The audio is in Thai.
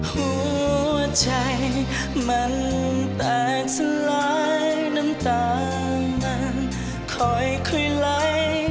หัวใจมันแตกสลายน้ำตานั้นค่อยไหล